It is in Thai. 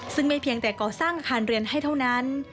ซึ่งไม่เพียงแต่ก่อสร้างอาคารเรียนให้เท่านั้น